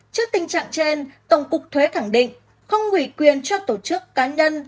trước tình trạng trên tổng cục thuế khẳng định không ủy quyền cho tổ chức cá nhân